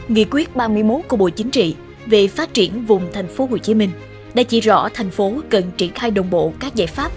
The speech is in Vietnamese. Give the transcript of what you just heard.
nghị quyết ba mươi một của bộ chính trị về phát triển vùng thành phố hồ chí minh đã chỉ rõ thành phố cần triển khai đồng bộ các giải pháp